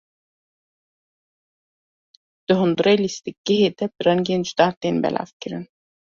Di hundirê lîstikgehê de bi rengên cuda tên belavkirin.